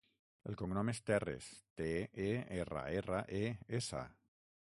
El cognom és Terres: te, e, erra, erra, e, essa.